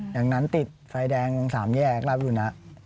อย่างนั้นติดไฟแดง๓แยกรับอยู่นะ